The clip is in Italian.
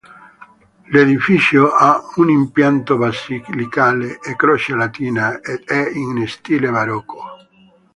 L'edificio ha un impianto basilicale a croce latina ed è in stile barocco.